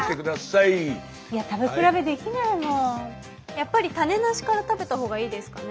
やっぱり種なしから食べた方がいいですかね。